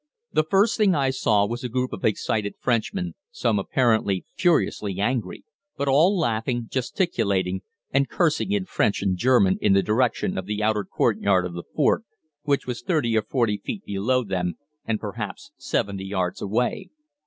The first thing I saw was a group of excited Frenchmen, some apparently furiously angry, but all laughing, gesticulating, and cursing in French and German in the direction of the outer courtyard of the fort, which was 30 or 40 feet below them and perhaps 70 yards away.